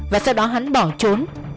và sau đó hắn bỏ trốn